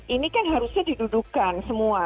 ini kan harusnya didudukan semua